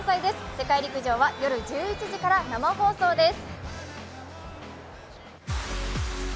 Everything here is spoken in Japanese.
世界陸上は夜１１時から生放送です。